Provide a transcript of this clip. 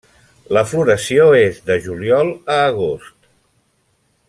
La floració és de juliol a agost.